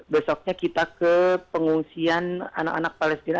besoknya kita ke pengungsian anak anak palestina